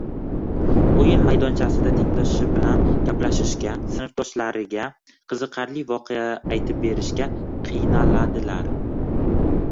o‘yin maydonchasida tengdoshi bilan gaplashishga, sinfdoshlariga qiziqarli voqea aytib berishga – qiynaladilar.